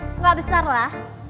enggak besar lah